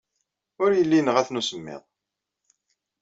Ur yelli yenɣa-ten usemmiḍ.